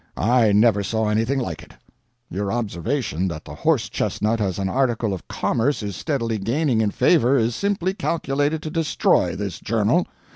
I never saw anything like it. Your observation that the horse chestnut as an article of commerce is steadily gaining in favor is simply calculated to destroy this journal.